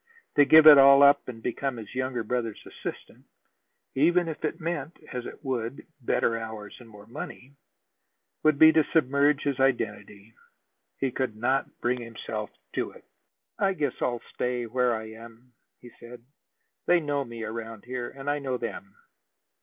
To give it all up and become his younger brother's assistant even if it meant, as it would, better hours and more money would be to submerge his identity. He could not bring himself to it. "I guess I'll stay where I am," he said. "They know me around here, and I know them.